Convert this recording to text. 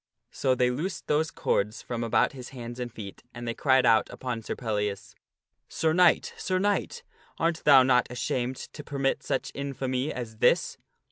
So they loosed those cords from about his hands and feet, and they cried out upon Sir Pellias, " Sir Knight, Sir Knight, art thou not ashamed to permit such infamy as this?"